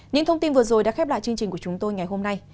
những thông tin vừa rồi đã khép lại chương trình của chúng tôi ngày hôm nay